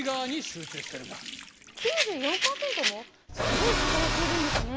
すごい偏っているんですね。